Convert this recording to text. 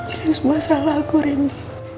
ini semua salah aku rindy